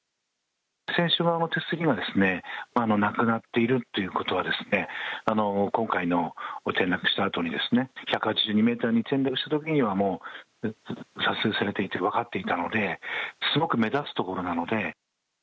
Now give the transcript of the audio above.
船主側の手すりがなくなっているということは今回、転落したあとに１８２ｍに転落した時には撮影されていて分かっていたのですごく目立つところなので。